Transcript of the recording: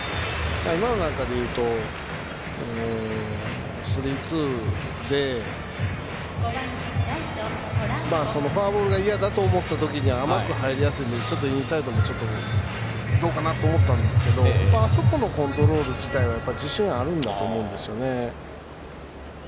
今のだと、スリーツーでフォアボールがいやだと思ったときに甘く入りやすいのでインサイドもちょっとどうかなと思ったんですけどあそこのコントロール自体は自信があると思うんですよね。